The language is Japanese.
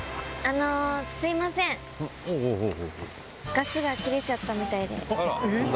ガスが切れちゃったみたいで。